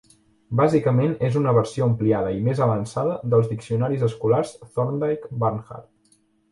Bàsicament és una versió ampliada i més avançada dels diccionaris escolars Thorndike-Barnhart.